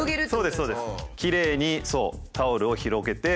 きれいにそうタオルを広げて。